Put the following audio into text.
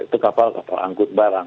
itu kapal angkut barang